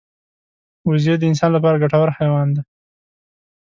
وزې د انسان لپاره ګټور حیوان دی